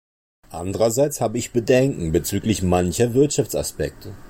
Andererseits habe ich Bedenken bezüglich mancher Wirtschaftsaspekte.